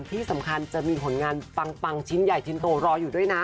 ที่สำคัญจะมีผลงานปังชิ้นใหญ่ชิ้นโตรออยู่ด้วยนะ